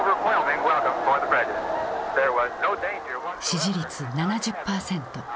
支持率７０％。